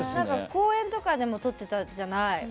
公園とかでも撮ってたじゃない？